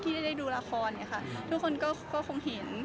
ที่ได้ดูละครเนี่ยค่ะทุกคนก็คงเห็น